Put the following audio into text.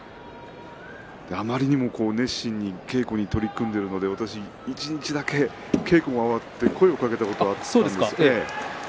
あまりにも熱心に稽古に取り組んでいるので私一日だけ稽古が終わって声をかけたことがあるんです。